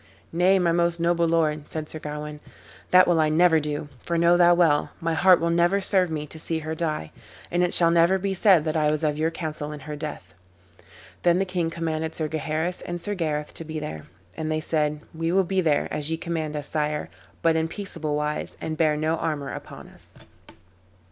"Nay, my most noble lord," said Sir Gawain, "that will I never do; for know thou well, my heart will never serve me to see her die, and it shall never be said that I was of your counsel in her death." Then the king commanded Sir Gaheris and Sir Gareth to be there, and they said, "We will be there, as ye command us, sire, but in peaceable wise, and bear no armor upon us."